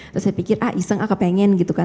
terus saya pikir ah iseng ah kepengen gitu kan